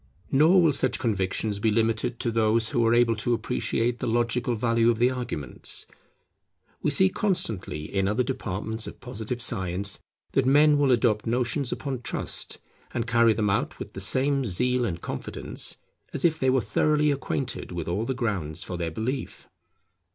Nor will such convictions be limited to those who are able to appreciate the logical value of the arguments. We see constantly in other departments of Positive science that men will adopt notions upon trust, and carry them out with the same zeal and confidence, as if they were thoroughly acquainted with all the grounds for their belief.